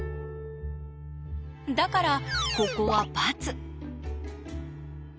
だからここはバツ。